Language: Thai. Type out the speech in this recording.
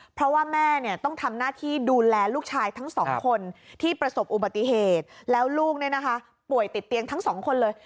เพราะว่าแม่ต้องทำหน้าที่ดูแลลูกชายทั้งสองคนที่ประสบอุบัติเหตุแล้วลูกเนี่ยนะคะป่วยติดเตียงทั้งสองคนเลย